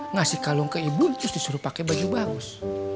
ngasih kalung ke ibu terus disuruh pakai baju bagus